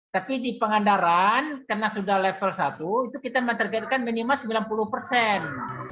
tapi di pangandaran karena sudah level satu itu kita menargetkan minimal sembilan puluh persen